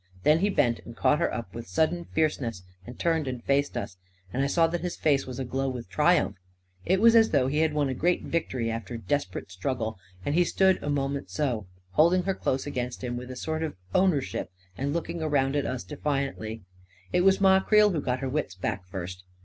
Then he bent and caught her up with sudden fierce ness, and turned and faced us, and I saw that his face was a glow with triumph. It was as though he had won a great victory after desperate struggle ; and he stood a moment so, hold ing her close against him with a sort of ownership, and looking around at us defiantly. It was Ma Creel who got her wits back first.